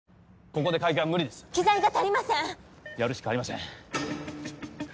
ここで開胸は無理です機材が足りませんやるしかありません